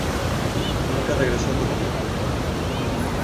Nunca regresó a Turquía.